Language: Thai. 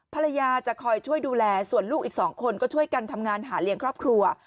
ภรรยาจะคอยช่วยดูแลส่วนลูกอีก๒คนก็ช่วยกันทำงานหาเลี้ยงครอบครัว